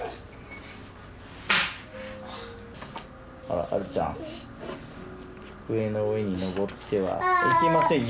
あらあるちゃん机の上に登ってはいけません。